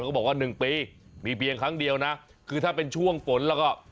ก็บอกว่า๑ปีมีเพียงครั้งเดียวนะคือถ้าเป็นช่วงฝนแล้วก็